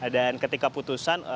dan ketika putusan